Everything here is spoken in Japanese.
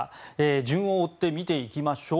順を追って見ていきましょう。